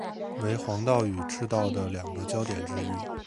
为黄道与赤道的两个交点之一。